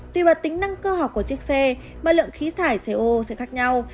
tùy vào tính năng cơ học của chiếc xe mà lượng khí thải co sẽ khác nhau